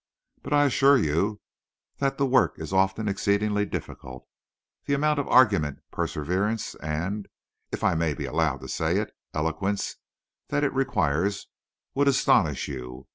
But I assure you that the work is often exceedingly difficult. The amount of argument, perseverance, and, if I may be allowed to say it, eloquence that it requires would astonish you.